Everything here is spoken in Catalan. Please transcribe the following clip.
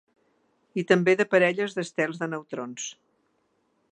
I també de parelles d’estels de neutrons.